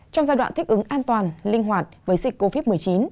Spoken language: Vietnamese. trong giai đoạn thích ứng an toàn linh hoạt với dịch covid một mươi chín